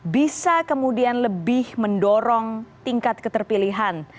bisa kemudian lebih mendorong tingkat keterpilihan